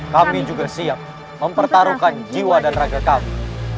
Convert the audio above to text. kami juga siap mempertaruhkan jiwa dan raga kami